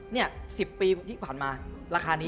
นี่๑๐ปีที่ผ่านมาราคานี้